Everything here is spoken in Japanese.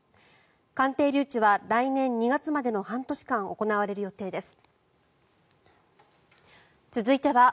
鑑定留置は来年２月までの半年間行われる予定です。